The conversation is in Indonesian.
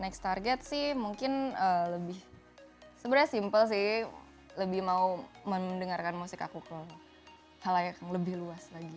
next target sih mungkin lebih sebenarnya simpel sih lebih mau mendengarkan musik aku ke halayak yang lebih luas lagi